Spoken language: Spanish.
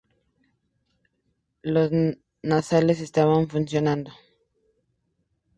Los nasales estaban fusionados.